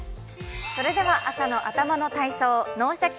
それでは朝の頭の体操「脳シャキ！